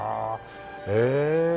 へえ。